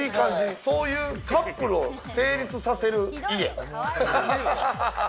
そういうカップルを成立させる家。